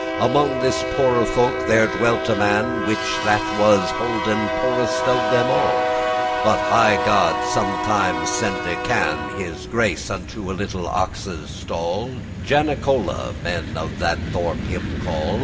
Among this poore folk there dwelt a man Which that was holden poorest of them all; But highe God sometimes sende can His grace unto a little ox's stall; Janicola men of that thorp him call.